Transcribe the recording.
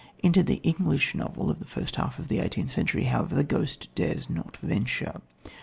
Into the English novel of the first half of the eighteenth century, however, the ghost dares not venture.